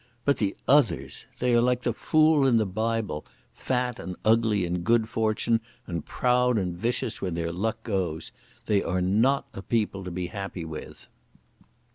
But the others! They are like the fool in the Bible, fat and ugly in good fortune and proud and vicious when their luck goes. They are not a people to be happy with."